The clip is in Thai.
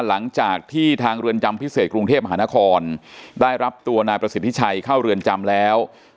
หลังจากที่ทางเรือนจำพิเศษกรุงเทพมหานครได้รับตัวนายประสิทธิชัยเข้าเรือนจำแล้ว